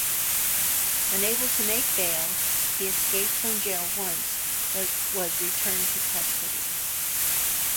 Unable to make bail, he escaped from jail once, but was returned to custody.